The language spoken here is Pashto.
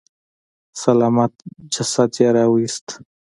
سلامت جسد يې راويست.